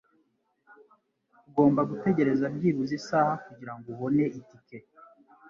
Ugomba gutegereza byibuze isaha kugirango ubone itike.